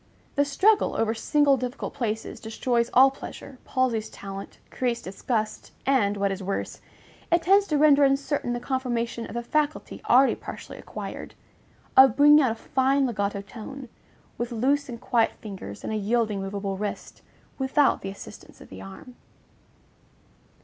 The struggle over single difficult places destroys all pleasure, palsies talent, creates disgust, and, what is worse, it tends to render uncertain the confirmation of the faculty already partially acquired, of _bringing out a fine legato tone, with loose and quiet fingers and a yielding, movable wrist, without the assistance of the arm_.